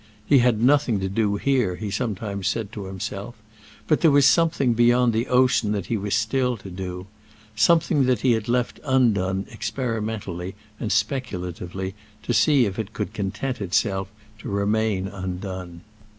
He had nothing to do here, he sometimes said to himself; but there was something beyond the ocean that he was still to do; something that he had left undone experimentally and speculatively, to see if it could content itself to remain undone.